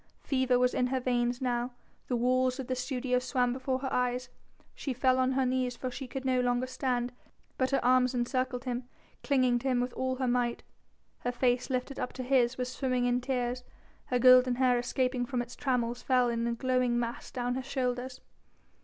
Fever was in her veins now, the walls of the studio swam before her eyes; she fell on her knees for she could no longer stand, but her arms encircled him, clinging to him with all her might. Her face, lifted up to his, was swimming in tears, her golden hair escaping from its trammels fell in a glowing mass down her shoulders.